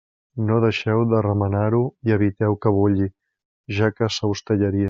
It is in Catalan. No deixeu de remenar-ho i eviteu que bulli, ja que se us tallaria.